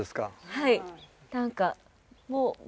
はい。